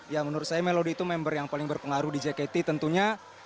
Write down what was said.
ya menurut saya melodi itu member yang paling berpengaruh di jkt tentunya